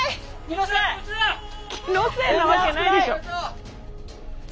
気のせいなわけないでしょ！